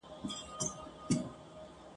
مخلص چي و مي کتل شاوخوا و هر طرف ته